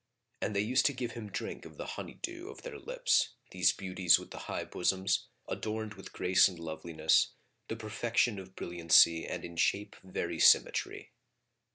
And they used to give him drink of the honey dew of their lips[FN#42] these beauties with the high bosoms, adorned with grace and loveliness, the perfection of brilliancy and in shape very symmetry.